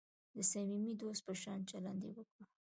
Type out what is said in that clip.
د صمیمي دوست په شان چلند یې وکړ.